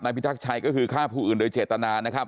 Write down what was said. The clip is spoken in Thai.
พิทักษ์ชัยก็คือฆ่าผู้อื่นโดยเจตนานะครับ